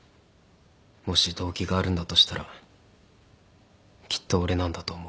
もし動機があるんだとしたらきっと俺なんだと思う。